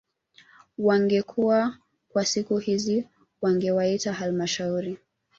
Wangekuwa kwa siku hizi wangewaita halmashauri